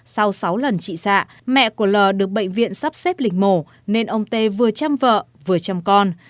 sau sáu lần trị xạ mẹ của l được bệnh viện sắp xếp lịch mổ nên ông tê vừa chăm vợ vừa chăm con